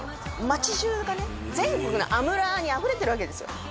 街じゅうがね全国のアムラーにあふれてるわけですよ